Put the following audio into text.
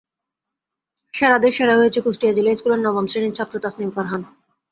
সেরাদের সেরা হয়েছে কুষ্টিয়া জিলা স্কুলের নবম শ্রেণীর ছাত্র তাসনিম ফারহান।